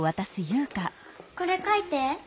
これ書いて。